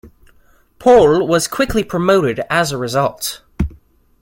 Pohl was quickly promoted as a result.